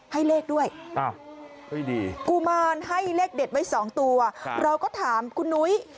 ให้เลขด้วยกุมารให้เลขเด็ดไว้๒ตัวเราก็ถามคุณนุ้ย